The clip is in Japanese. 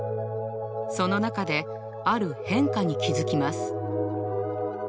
その中である変化に気づきます。